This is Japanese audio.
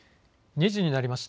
２時になりました。